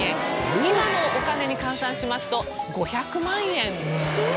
今のお金に換算しますと５００万円という事で。